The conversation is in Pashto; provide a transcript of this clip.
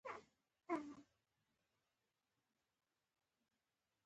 دوی شینوار د خپل حکومت پلازمینه وټاکه.